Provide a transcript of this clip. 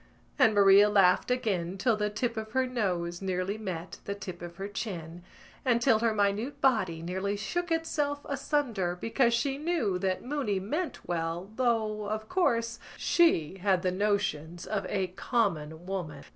And Maria laughed again till the tip of her nose nearly met the tip of her chin and till her minute body nearly shook itself asunder because she knew that Mooney meant well though, of course, she had the notions of a common woman.